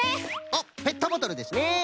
おっペットボトルですね。